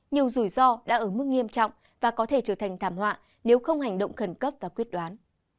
nhiều rủi ro đã ở mức nghiêm trọng và có thể trở thành thảm họa nếu không hành động khẩn cấp và quyết đoán